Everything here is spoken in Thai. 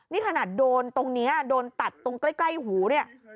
นี่ขนาดโดนตรงนี้โดนตัดตรงใกล้หูเนี่ย